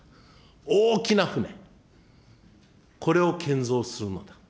大きな船、これを建造するのだ。